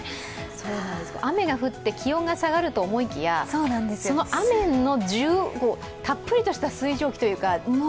雨が降って、気温が下がると思いきや、その雨のたっぷりとした水蒸気というか。